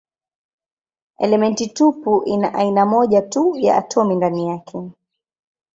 Elementi tupu ina aina moja tu ya atomi ndani yake.